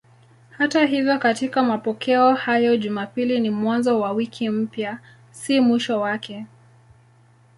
Hata hivyo katika mapokeo hayo Jumapili ni mwanzo wa wiki mpya, si mwisho wake.